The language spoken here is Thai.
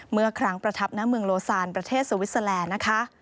เมื่อครั้งประทับณโลศานประเทศสวิสเซลนด์